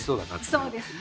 そうですね！